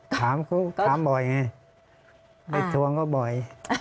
ถามก็ถามบ่อยไงไปทวงก็บ่อย